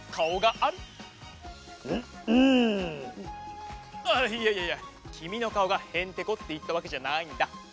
ああいやいやいやきみのかおがヘンテコっていったわけじゃないんだ。